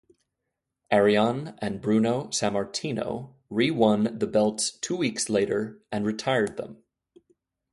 Arion and Bruno Sammartino rewon the belts two weeks later, and retired them.